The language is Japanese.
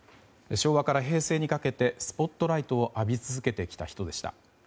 昭和から平成にかけてスポットライトを浴び続けてきた人でした。